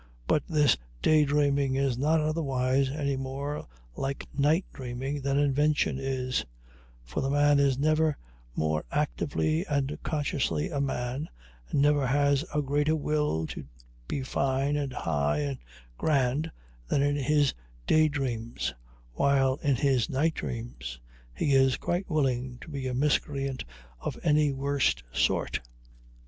But this day dreaming is not otherwise any more like night dreaming than invention is; for the man is never more actively and consciously a man, and never has a greater will to be fine and high and grand than in his day dreams, while in his night dreams he is quite willing to be a miscreant of any worst sort.